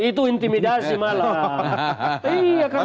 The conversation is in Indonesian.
itu intimidasi malah